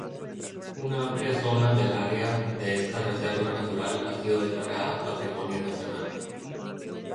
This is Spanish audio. Una amplia zona del área de esta reserva natural ha sido declarada Patrimonio Nacional.